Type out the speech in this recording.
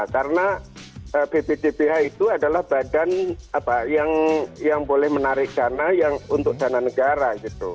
karena bpdbh itu adalah badan yang boleh menarik dana untuk dana negara